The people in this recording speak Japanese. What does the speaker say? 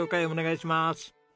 お願いします。